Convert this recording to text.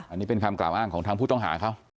อันนี้เป็นคำกล่าวอ้างของทางผู้ต้องหาเขา